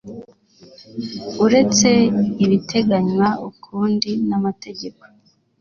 uretse ibiteganywa ukundi n amategeko